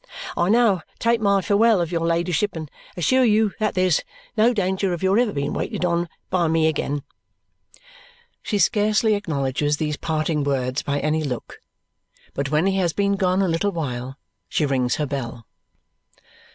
I now take my farewell of your ladyship, and assure you that there's no danger of your ever being waited on by me again." She scarcely acknowledges these parting words by any look, but when he has been gone a little while, she rings her bell.